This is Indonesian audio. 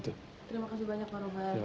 terima kasih banyak pak